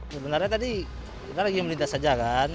sebenarnya tadi kita lagi melintas saja kan